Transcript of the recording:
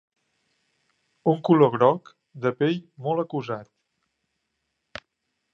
Un color groc de pell molt acusat.